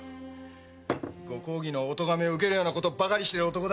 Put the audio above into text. ご公儀のお咎めを受けるようなことばかりしてる男だ。